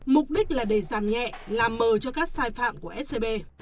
mục đích là để giảm nhẹ làm mờ cho các sai phạm của scb